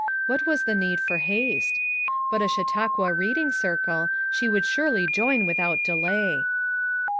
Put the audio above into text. What was the need for haste? But a Chautauqua Reading Circle she would surely join without delay.